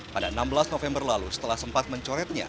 pada enam belas november lalu setelah sempat mencoretnya